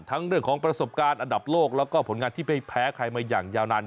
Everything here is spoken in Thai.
เรื่องของประสบการณ์อันดับโลกแล้วก็ผลงานที่ไม่แพ้ใครมาอย่างยาวนาน